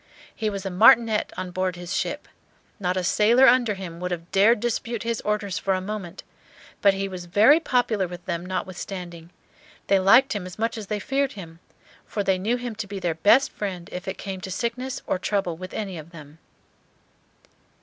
He was a Martinet on board his ship. Not a sailor under him would have dared dispute his orders for a moment; but he was very popular with them, notwithstanding; they liked him as much as they feared him, for they knew him to be their best friend if it came to sickness or trouble with any of them.